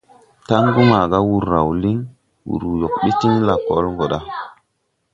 Taŋgu maaga wùr raw líŋ, wùr yɔg ɓil tiŋ lakɔl gɔ ɗa.